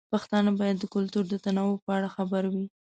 پښتانه باید د کلتور د تنوع په اړه خبر وي.